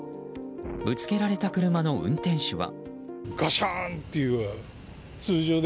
ぶつけられた車の運転手は。